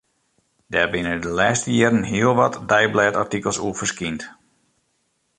Dêr binne de lêste jierren hiel wat deiblêdartikels oer ferskynd.